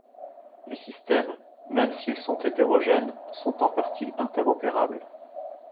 Les systèmes, même s'ils sont hétérogènes, sont en partie interopérables.